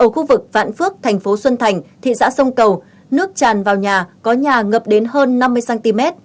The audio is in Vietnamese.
khu vực vạn phước thành phố xuân thành thị xã sông cầu nước tràn vào nhà có nhà ngập đến hơn năm mươi cm